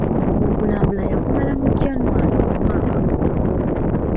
Okulambula yakumala mu January omwaka ogwo.